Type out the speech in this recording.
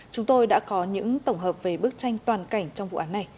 chúng tôi đã có những tổng hợp về bức tranh toàn cảnh trong vụ án này